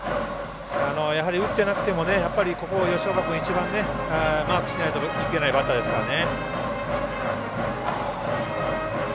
やはり打ってなくてもここを吉岡君一番マークしないといけないバッターですからね。